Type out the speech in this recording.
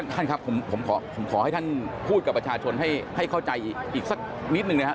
ท่านครับผมขอให้ท่านพูดกับประชาชนให้เข้าใจอีกสักนิดหนึ่งนะครับ